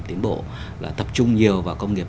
tiến bộ là tập trung nhiều vào công nghiệp